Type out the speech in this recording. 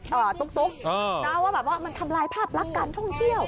นั้นแค่ว่ามันทำลายภาพลักการท่องเที่ยว